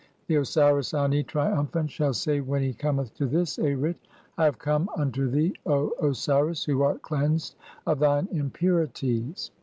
The Osiris Ani, trium phant, (6) shall say [when he cometh to this Arit] :— "I have "come unto thee, Osiris, who art cleansed of [thine] im purities.